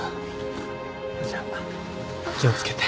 じゃあ気を付けて。